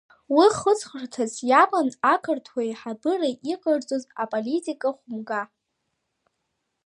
Уи хыҵхырҭас иаман ақырҭуа еиҳабыра иҟарҵоз аполитика хәымга.